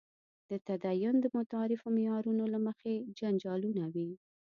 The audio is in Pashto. د تدین د متعارفو معیارونو له مخې جنجالونه وي.